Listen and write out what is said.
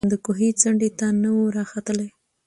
د کوهي څنډي ته نه وو راختلی